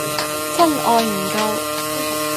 真愛唔夠